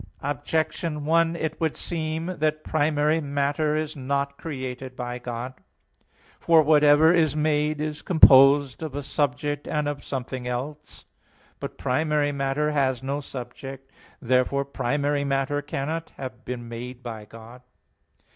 Objection 1: It would seem that primary matter is not created by God. For whatever is made is composed of a subject and of something else (Phys. i, text 62). But primary matter has no subject. Therefore primary matter cannot have been made by God.